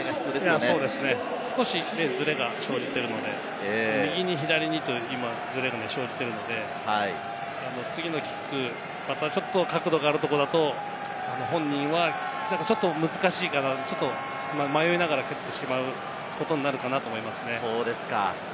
少しずれが生じているので、右に左にと、今、ずれが生じているので、次のキック、ちょっと角度があるところだと本人は難しいかなと迷いながら蹴ってしまうことになるかなと思います。